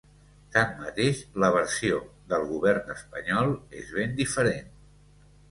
Tanmateix, la versió del govern espanyol és ben diferent.